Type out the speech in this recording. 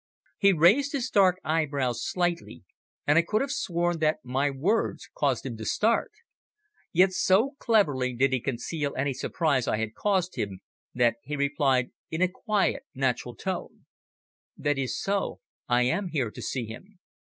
He raised his dark eyebrows slightly, and I could have sworn that my words caused him to start. Yet so cleverly did he conceal any surprise I had caused him that he replied in a quiet, natural tone "That is so. I am here to see him."